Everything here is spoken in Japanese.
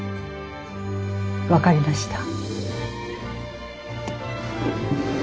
分かりました。